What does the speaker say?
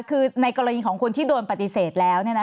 คือในกรณีของคนที่โดนปฏิเสธแล้ว